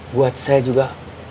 buat saya juga